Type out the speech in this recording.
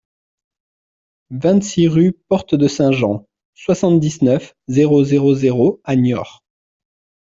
vingt-six rue Porte de Saint-Jean, soixante-dix-neuf, zéro zéro zéro à Niort